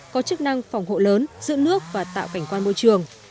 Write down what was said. có chức năng phòng hộ lớn giữ nước và tạo cảnh quan môi trường